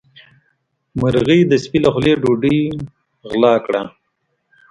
مرغۍ د سپي له خولې ډوډۍ وغلا کړه.